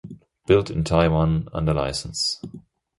Built in Taiwan under license.